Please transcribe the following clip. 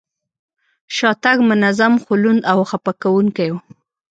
شاتګ منظم، خو لوند او خپه کوونکی و.